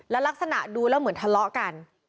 ลักษณะดูแล้วเหมือนทะเลาะกัน